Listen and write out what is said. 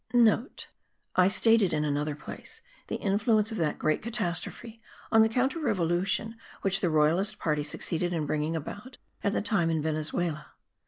(* I stated in another place the influence of that great catastrophe on the counter revolution which the royalist party succeeded in bringing about at that time in Venezuela.